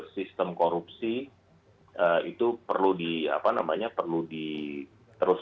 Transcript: sistem korupsi itu perlu di apa namanya perlu di terus